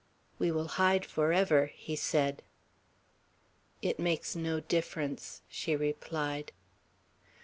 "We will hide forever," he said. "It makes no difference," she replied.